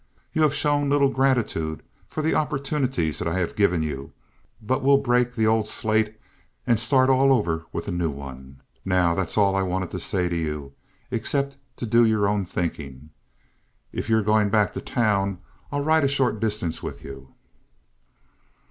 You have shown little gratitude for the opportunities that I've given you, but we'll break the old slate and start all over with a new one. Now, that's all I wanted to say to you, except to do your own thinking. If you're going back to town, I'll ride a short distance with you."